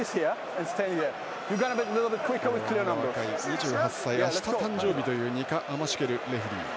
２８歳、あした誕生日というニカ・アマシュケリレフリー。